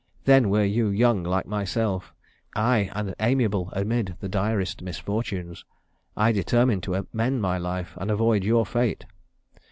Then were you young like myself; ay, and amiable amid the direst misfortunes. I determined to amend my life, and avoid your fate.'